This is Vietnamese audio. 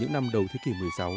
những năm đầu thế kỷ một mươi sáu